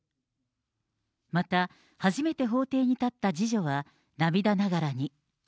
また、初めて法廷に立った次女は、涙ながらに。